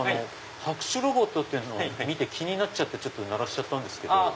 拍手ロボットっていうのを見て気になって鳴らしたんですけど。